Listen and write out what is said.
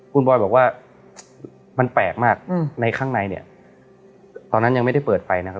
คุณบอยบอกว่ามันแปลกมากในข้างในเนี่ยตอนนั้นยังไม่ได้เปิดไฟนะครับ